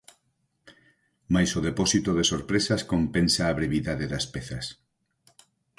Mais o depósito de sorpresas compensa a brevidade das pezas.